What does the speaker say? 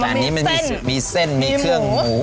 แต่อันนี้มีเส้นมีเครื่องหมู